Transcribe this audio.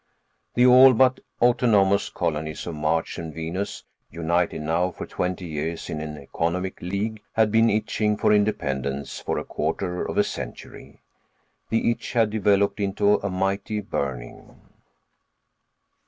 The all but autonomous colonies of Mars and Venus, united now for twenty years in an economic league, had been itching for independence for a quarter of a century. The itch had developed into a mighty burning.